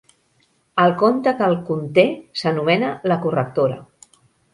El conte que el conté s'anomena "La correctora".